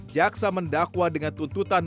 jaksa mendakwa dengan tuntutan